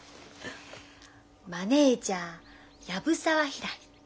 「マネージャー藪沢ひらり」。